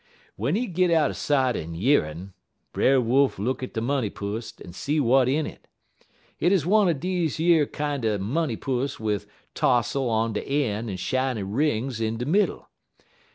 "W'en he git out er sight en year'n', Brer Wolf look at de money pus, en see w'at in it. Hit 'uz one er deze yer kinder money pus wid tossle on de een' en shiny rings in de middle.